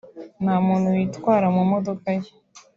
nta muntu witwara mu modoka ye